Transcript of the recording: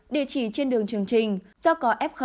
địa chỉ trên đường trường trinh do có f